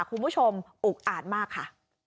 คุณผู้ชมอุ๊กอ่านมากค่ะ